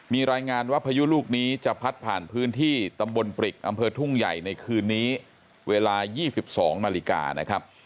มีรายงานว่าพายุลูกนี้จะพัดผ่านพื้นที่ตำบลปริกอำเภอทุ่งใหญ่ในคืนนี้เวลา๒๒นาฬิกานะครับ